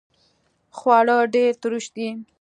خواړه ډیر تروش دي